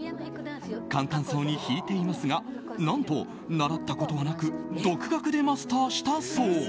簡単そうに弾いていますが何と習ったことはなく独学でマスターしたそう。